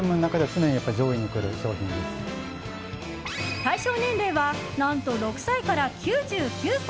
対象年齢は何と６歳から９９歳。